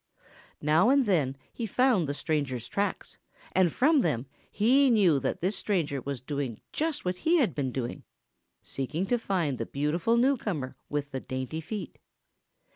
Now and then he found the stranger's tracks, and from them he knew that this stranger was doing just what he had been doing, seeking to find the beautiful newcomer with the dainty feet.